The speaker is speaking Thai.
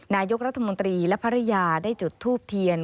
นายกรัฐมนตรีและภรรยาได้จุดทูบเทียน